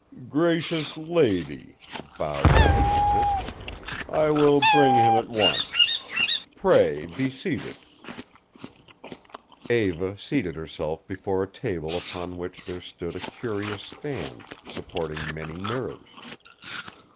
"Gracious lady," bowed the hyponotist, "I will bring him at once. Pray be seated." Eva seated herself before a table upon which there stood a curious stand, supporting many mirrors.